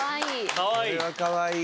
かわいい。